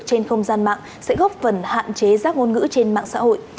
trên không gian mạng sẽ góp phần hạn chế rác ngôn ngữ trên mạng xã hội